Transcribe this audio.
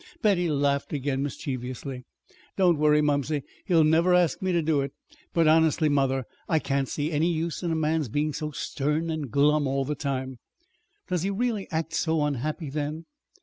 Betty laughed again mischievously. "Don't worry, mumsey. He'll never ask me to do it! But, honestly, mother, I can't see any use in a man's being so stern and glum all the time." "Does he really act so unhappy, then?"